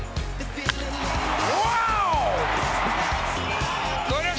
ワオ！